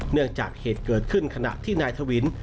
เนื่องจากเหตุเกิดขึ้นขณะที่นายทวิน